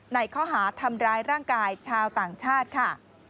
ในข้อหาทำร้ายร่างกายชาวต่างชาติค่ะ